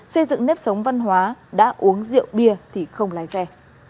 xây dựng nếp sống văn hóa đã uống rượu bia thì không lái xe